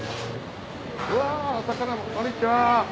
うわお魚こんにちは。